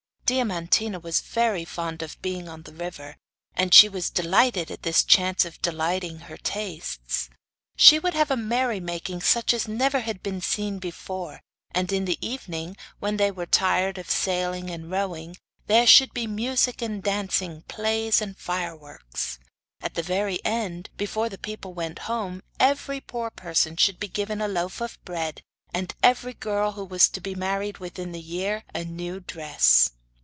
Diamantina was very fond of being on the river, and she was delighted at this chance of delighting her tastes. She would have a merry making such as never had been seen before, and in the evening, when they were tired of sailing and rowing, there should be music and dancing, plays and fireworks. At the very end, before the people went home, every poor person should be given a loaf of bread and every girl who was to be married within the year a new dress.